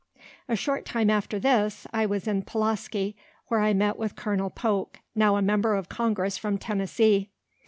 A short time after this, I was in Pulaski, where I met with Colonel Polk, now a member of Congress from Tennessee.